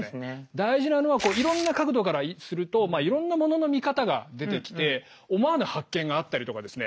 大事なのはいろんな角度からするといろんなものの見方が出てきて思わぬ発見があったりとかですね